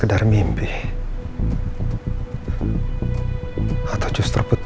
katara ak android